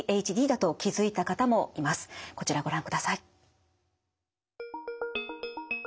こちらをご覧ください。